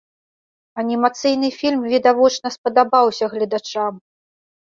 Анімацыйны фільм відавочна спадабаўся гледачам.